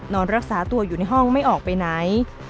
นอนรักษาตัวอยู่ในห้องไม่ออกไปไหน